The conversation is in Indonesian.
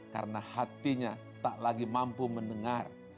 karena hatinya tak lagi mampu mendengar